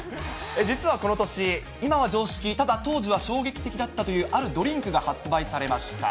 実はこの年、今は常識、ただ当時は衝撃的だったというあるドリンクが発売されました。